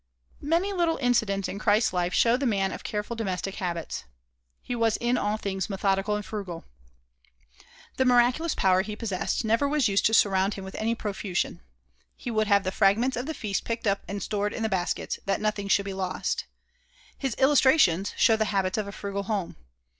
Many little incidents in Christ's life show the man of careful domestic habits. He was in all things methodical and frugal. The miraculous power he possessed never was used to surround him with any profusion. He would have the fragments of the feast picked up and stored in the baskets, "that nothing should be lost." His illustrations show the habits of a frugal home.